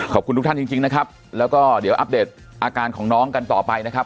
ขอบคุณทุกท่านจริงนะครับแล้วก็เดี๋ยวอัปเดตอาการของน้องกันต่อไปนะครับ